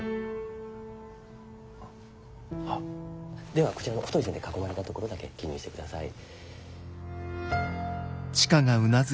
ではこちらの太い線で囲まれたところだけ記入してください。